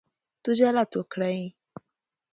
تجارت وکړئ